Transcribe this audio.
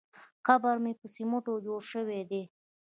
قبر په سمېټو جوړ شوی دی.